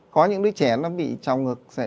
có những đứa trẻ nó bị trào ngược